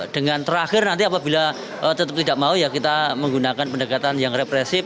dengan terakhir nanti apabila tetap tidak mau ya kita menggunakan pendekatan yang represif